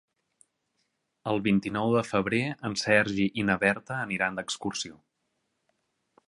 El vint-i-nou de febrer en Sergi i na Berta aniran d'excursió.